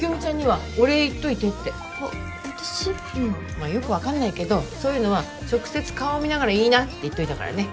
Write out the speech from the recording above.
まっよく分かんないけどそういうのは直接顔見ながら言いなって言っといたからね。